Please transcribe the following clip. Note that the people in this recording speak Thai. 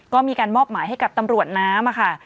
ก็มีการมอบหมายให้กับตำรวจน้ำค่ะ